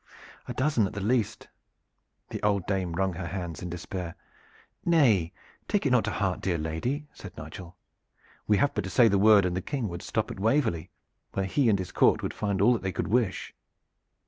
"A dozen, at the least." The old dame wrung her hands in despair. "Nay, take it not to heart, dear lady!" said Nigel. "We have but to say the word and the King would stop at Waverley, where he and his court would find all that they could wish."